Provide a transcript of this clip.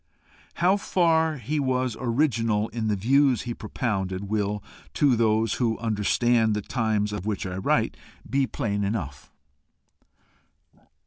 How far he was original in the views he propounded, will, to those who understand the times of which I write, be plain enough.